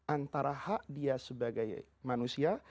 antara hak dia sebagai manusia